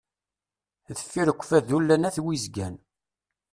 Deffir ukfadu llan at wizgan.